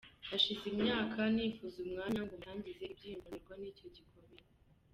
Hashize imyaka nifuza umwanya ngo mbasangize ibyiyumviro nterwa n’icyo gikomere.